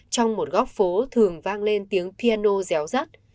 trong một góc phố thường vang lên tiếng piano rắt